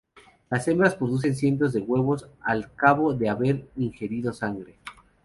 Las hembras producen cientos de huevos al cabo de haber ingerido sangre.